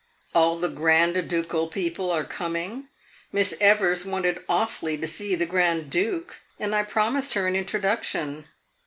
All the grand ducal people are coming. Miss Evers wanted awfully to see the Grand Duke, and I promised her an introduction.